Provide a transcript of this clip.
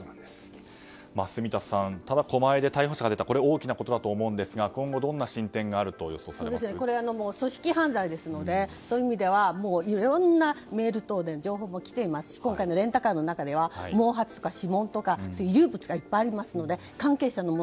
住田さん、狛江で逮捕者が出たことは大きなことだと思うんですが今後、どんな進展があるとこれ、組織犯罪ですのでそういう意味でいろんなメール等で情報も来ていますしレンタカーの中では毛髪や指紋など遺留物がいっぱいありますので関係者のもの